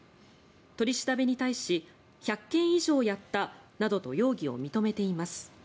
取り調べに対し１００件以上やったなどと容疑を認めています。